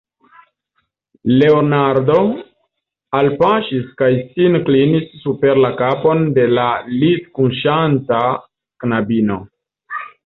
Leonardo alpaŝis kaj sin klinis super la kapon de la litkuŝanta knabino.